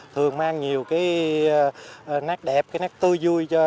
thường mang nhiều cái nát đẹp cái nát tươi vui